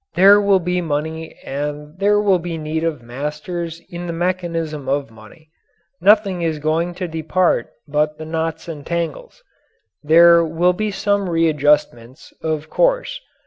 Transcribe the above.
There will be money and there will be need of masters of the mechanism of money. Nothing is going to depart but the knots and tangles. There will be some readjustments, of course.